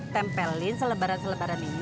tempelin selebaran selebaran yang ada di luar